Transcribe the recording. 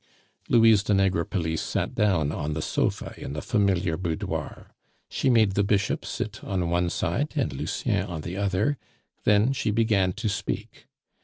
Louise de Negrepelisse sat down on the sofa in the familiar boudoir. She made the Bishop sit on one side and Lucien on the other, then she began to speak.